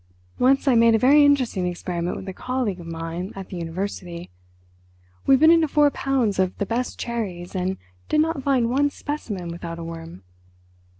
Once I made a very interesting experiment with a colleague of mine at the university. We bit into four pounds of the best cherries and did not find one specimen without a worm.